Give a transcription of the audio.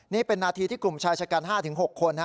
นี่เป็นนาทีที่กลุ่มชายชะกัน๕๖คน